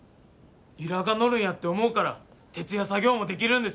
由良が乗るんやって思うから徹夜作業もできるんですよ。